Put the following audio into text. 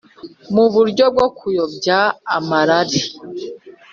muburyo bwo kuyobya amarari